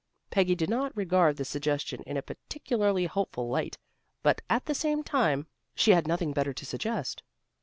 Peggy did not regard the suggestion in a particularly hopeful light, but at the same time she had nothing better to suggest.